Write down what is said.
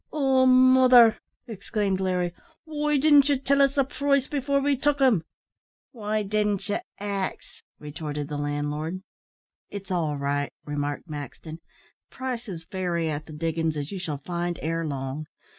"Oh, morther!" exclaimed Larry, "why didn't ye tell us the price before we tuck them?" "Why didn't ye ax?" retorted the landlord. "It's all right," remarked Maxton. "Prices vary at the diggings, as you shall find ere long.